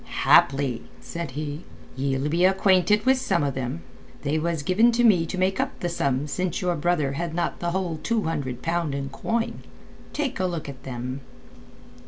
"Haply," said he, "ye'll be acquainted with some of them. They was given me to make up the sum since your brother had not the whole two hundred pound in coin. Take a look at them."